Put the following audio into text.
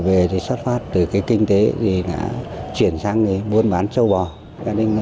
vẫn chưa thấy nổi lên nghi vấn nào